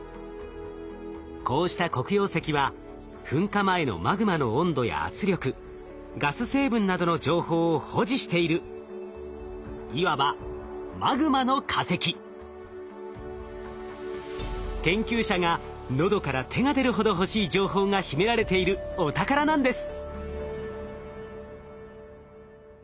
こうした黒曜石は噴火前のマグマの温度や圧力ガス成分などの情報を保持しているいわば研究者が喉から手が出るほど欲しい情報が秘められているお宝なんです。